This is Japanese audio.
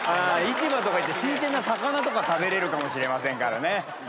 市場とか行って新鮮な魚とか食べれるかもしれませんからね。